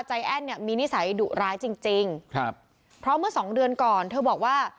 แอ้นเนี่ยมีนิสัยดุร้ายจริงจริงครับเพราะเมื่อสองเดือนก่อนเธอบอกว่า